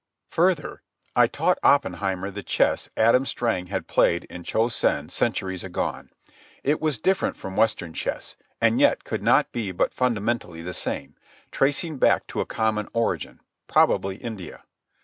Further, I taught Oppenheimer the chess Adam Strang had played in Cho Sen centuries agone. It was different from Western chess, and yet could not but be fundamentally the same, tracing back to a common origin, probably India.